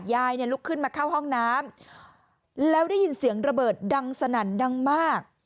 ยายเนี่ยลุกขึ้นมาเข้าห้องน้ำแล้วได้ยินเสียงระเบิดดังสนั่นดังมาก